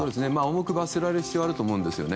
重く罰せられる必要があると思うんですね。